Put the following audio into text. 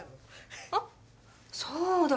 あっそうだ！